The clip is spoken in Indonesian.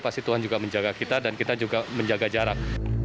pasti tuhan juga menjaga kita dan kita juga menjaga jarak